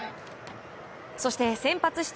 そして、先発した